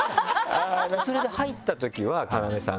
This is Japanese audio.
それで入ったときは要さんが。